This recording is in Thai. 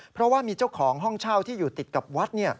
เพราะว่ามีเจ้าของห้องเช่าที่อยู่ติดกับวัด